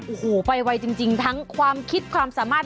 โอ้โหไปไวจริงทั้งความคิดความสามารถ